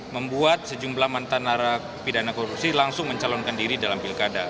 membuat sejumlah mantan narapidana korupsi langsung mencalonkan diri dalam pilkada